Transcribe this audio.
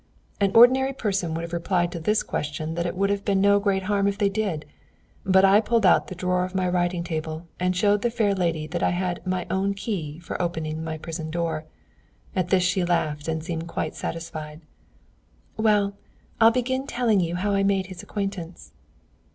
An ordinary person would have replied to this question that it would have been no great harm if they did; but I pulled out the drawer of my writing table and showed the fair lady that I had my own key for opening my prison door. At this she laughed and seemed quite satisfied. "Well, I'll begin by telling you how I made his acquaintance."